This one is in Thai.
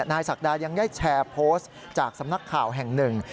ศักดายังได้แชร์โพสต์จากสำนักข่าวแห่งหนึ่ง